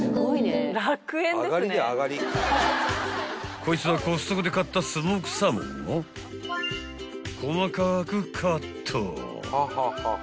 ・［こいつはコストコで買ったスモークサーモンを細かくカット］